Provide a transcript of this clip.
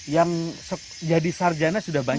yang jadi sarjana dia bisa menyekolahkan anak anaknya